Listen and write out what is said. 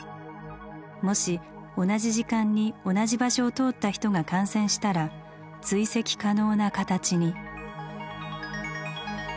もし同じ時間に同じ場所を通った人が感染したら追跡可能な形に。